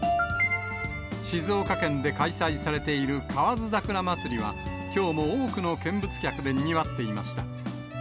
静岡県で開催されている河津桜まつりは、きょうも多くの見物客でにぎわっていました。